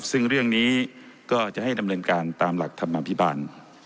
ซึ่งเรื่องนี้ก็จะให้ดำเนินการตามหลักธรรมภิบาล